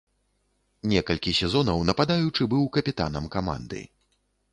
Некалькі сезонаў нападаючы быў капітанам каманды.